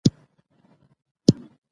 ساقي نن دي په محفل کي رندان ډیر دي